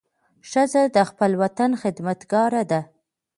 ښځه د خپل وطن خدمتګاره ده.